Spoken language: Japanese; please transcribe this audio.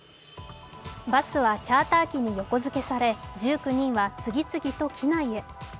バスはチャーター機に横付けされ、１９人は次々と機内へ。